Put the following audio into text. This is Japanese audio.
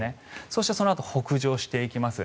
そしてそのあと北上していきます。